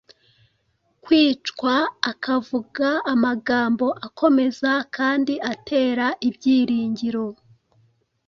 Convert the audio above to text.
kwicwa akavuga amagambo akomeza kandi atera ibyiringiro